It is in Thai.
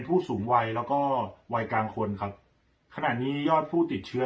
ผู้สูงวัยแล้วก็วัยกลางคนครับขณะนี้ยอดผู้ติดเชื้อ